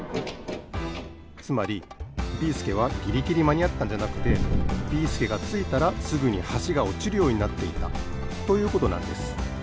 つまりビーすけはギリギリまにあったんじゃなくてビーすけがついたらすぐにはしがおちるようになっていたということなんです。